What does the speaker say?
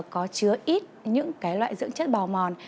có chứa ít những loại dưỡng chất bào mòn